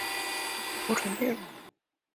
漫画构成内容。